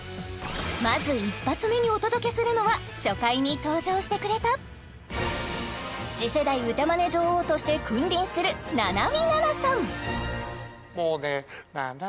まず１発目にお届けするのは初回に登場してくれた次世代歌まね女王として君臨するななみななさん